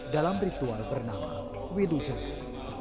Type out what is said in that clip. dalam ritual bernama widu jengel